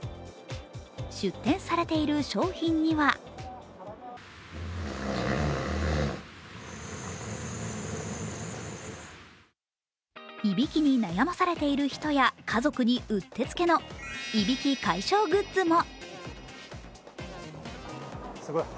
出展されている商品にはいびきに悩まされている人や家族にうってつけのいびき解消グッズも。